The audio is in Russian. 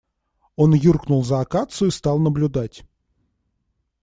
Он юркнул за акацию и стал наблюдать.